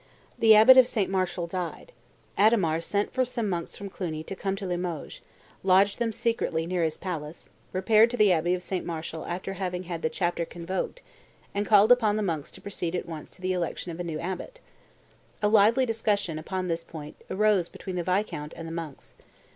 The abbot of St. Martial died. Adhemar sent for some monks from Cluni to come to Limoges, lodged them secretly near his palace, repaired to the abbey of St. Martial after having had the chapter convoked, and called upon the monks to proceed at once to the election of a new abbot. A lively discussion, upon this point, arose between the viscount and the monks.